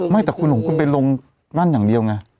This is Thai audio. ไม่แต่คุณเป็นลงนั่นอย่างเดียวไง